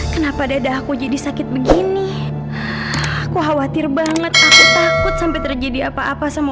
kenapa dadah aku jadi sakit begini aku khawatir banget aku takut sampai terjadi apa apa sama